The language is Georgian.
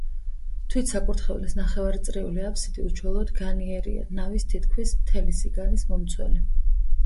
თვით საკურთხევლის ნახევარწრიული აფსიდი უჩვეულოდ განიერია, ნავის თითქმის მთელი სიგანის მომცველი.